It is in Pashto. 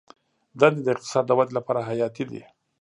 دندې د اقتصاد د ودې لپاره حیاتي دي.